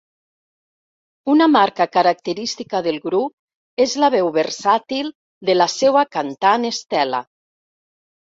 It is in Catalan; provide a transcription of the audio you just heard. Una marca característica del grup és la veu versàtil de la seua cantant, Estela.